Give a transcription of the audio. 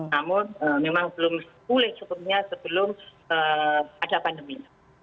namun memang belum pulih cukupnya sebelum ada pandemi